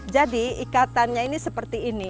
jadi ikatannya ini seperti ini